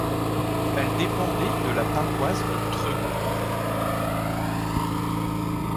Elle dépendait de la paroisse de Treux.